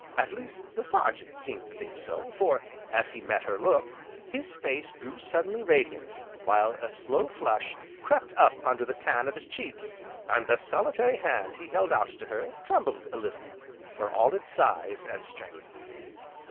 At least, the Sergeant seemed to think so, for, as he met her look, his face grew suddenly radiant, while a slow flush crept up under the tan of his cheek, and the solitary hand he held out to her, trembled a little, for all its size, and strength.